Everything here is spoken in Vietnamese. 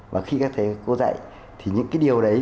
và khi các thầy cô dạy thì những cái điều đấy